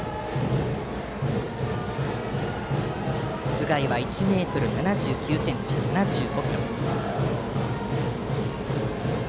須貝は１ｍ７９ｃｍ、７５ｋｇ。